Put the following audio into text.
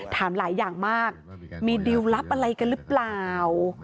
ถามหลายอย่างมากมีดิวลลับอะไรกันหรือเปล่า